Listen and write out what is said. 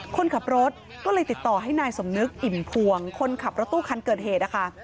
คนขับรถก็เลยติดต่อให้นายสมนึกอิ่มพวงคนขับรถตู้คันเกิดเหตุนะคะ